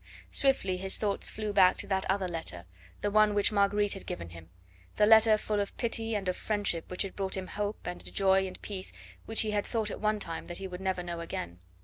Swiftly his thoughts flew back to that other letter, the one which Marguerite had given him the letter full of pity and of friendship which had brought him hope and a joy and peace which he had thought at one time that he would never know again.